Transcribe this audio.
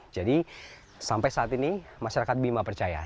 jadi sampai saat ini masyarakat bima percaya